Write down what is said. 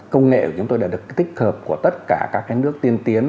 công nghệ của chúng tôi đã được tích hợp của tất cả các nước tiên tiến